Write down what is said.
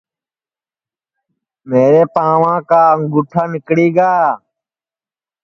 میرے پانٚوا کا انٚگُٹھا نیکݪی گا